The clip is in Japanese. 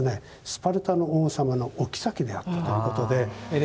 スパルタの王様のお妃であったということで。